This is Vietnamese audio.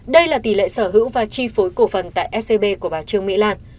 đây là tỷ lệ sở hữu và chi phối cổ phần tại scb của bà trương mỹ lan